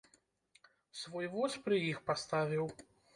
Свой воз пры іх паставіў.